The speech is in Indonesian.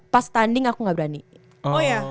pas tanding aku gak berani oh ya